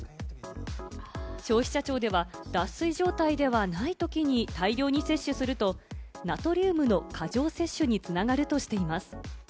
消費者庁では、脱水状態ではないときに大量に摂取すると、ナトリウムの過剰摂取に繋がるとしています。